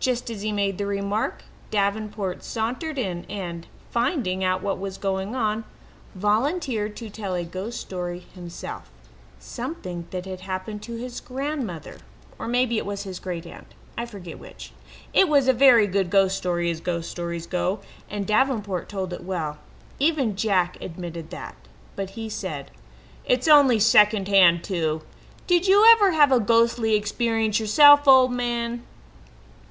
Just as he made the remark, Davenport sauntered in and, finding out what was going on, volunteered to tell a ghost story himself something that had happened to his grandmother, or maybe it was his great aunt; I forget which. It was a very good ghost story as ghost stories go, and Davenport told it well. Even Jack admitted that, but he said: "It's only second hand too. Did you ever have a ghostly experience yourself, old man?"